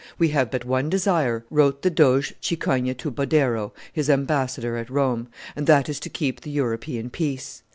"We have but one desire," wrote the Doge Cicogna to Badoero, his ambassador at Rome, "and that is to keep the European peace.